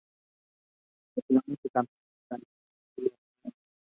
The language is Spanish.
Posteriormente, campeón y subcampeón acceden a la Final Four